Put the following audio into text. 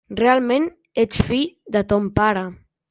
Realment ets fill de ton pare.